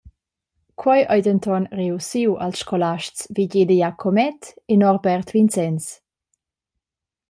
Quei ei denton reussiu als scolasts Vigeli Jacomet e Norbert Vinzens.